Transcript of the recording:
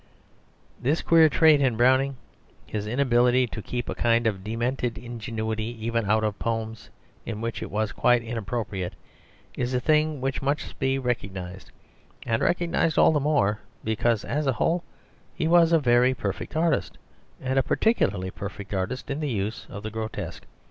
This queer trait in Browning, his inability to keep a kind of demented ingenuity even out of poems in which it was quite inappropriate, is a thing which must be recognised, and recognised all the more because as a whole he was a very perfect artist, and a particularly perfect artist in the use of the grotesque.